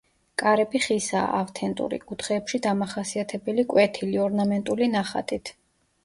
კარები ხისაა, ავთენტური, კუთხეებში დამახასიათებელი კვეთილი, ორნამენტული ნახატით.